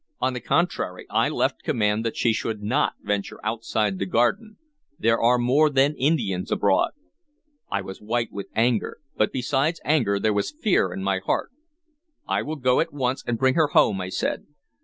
"On the contrary, I left command that she should not venture outside the garden. There are more than Indians abroad." I was white with anger; but besides anger there was fear in my heart. "I will go at once and bring her home," I said.